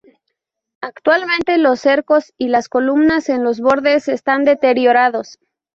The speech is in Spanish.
Actualmente los cercos y las columnas en los bordes están deteriorados.